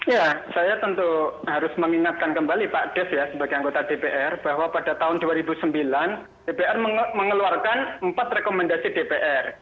ya saya tentu harus mengingatkan kembali pak des ya sebagai anggota dpr bahwa pada tahun dua ribu sembilan dpr mengeluarkan empat rekomendasi dpr